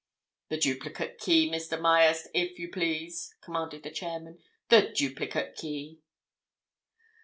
"The duplicate key, Mr. Myerst, if you please," commanded the chairman, "the duplicate key!"